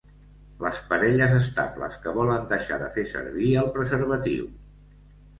Les parelles estables que volen deixar de fer servir el preservatiu.